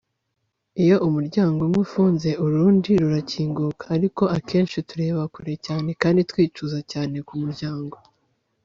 iyo umuryango umwe ufunze, urundi rurakinguka; ariko akenshi tureba kure cyane kandi twicuza cyane ku muryango